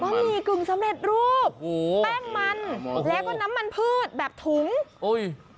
หมี่กึ่งสำเร็จรูปโอ้โหแป้งมันแล้วก็น้ำมันพืชแบบถุงโอ้ย